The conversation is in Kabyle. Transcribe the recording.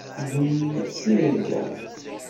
D mm tirga.